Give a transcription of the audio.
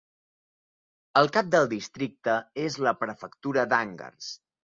El cap del districte és la prefectura d'Angers.